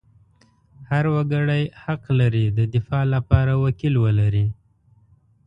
هر وګړی حق لري د دفاع لپاره وکیل ولري.